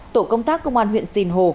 tổ công tác công an huyện sìn hồ